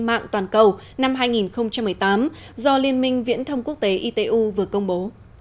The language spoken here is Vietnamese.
mạng toàn cầu năm hai nghìn một mươi tám do liên minh viễn thông quốc tế itu vừa công bố